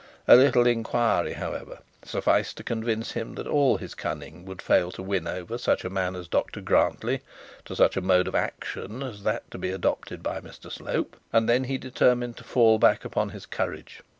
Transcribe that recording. A little inquiry, however, sufficed to convince him that all his cunning would fail to win over such a man as Dr Grantly to such a mode of action as that to be adopted by Mr Slope; and then he determined to fall back upon his courage.